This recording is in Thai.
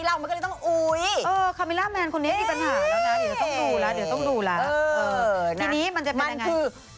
เรามันก็เลยต้องอุ๋ยเออคาเมล่าแมนคนนี้มีปัญหาแล้วนะเดี๋ยวต้องดูแล้วเดี๋ยวต้องดูแล้วเออ